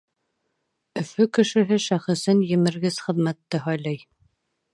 Өфө кешеһе шәхесен емергес хеҙмәтте һайлай.